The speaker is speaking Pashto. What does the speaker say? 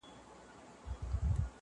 پټه خوله اقرار دئ.